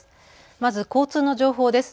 まず交通の情報です。